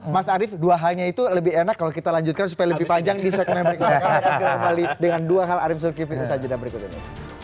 mas arief dua halnya itu lebih enak kalau kita lanjutkan supaya lebih panjang di segmen berikutnya